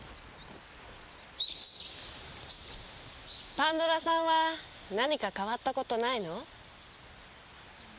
パンドラさんは何か変わったことないの？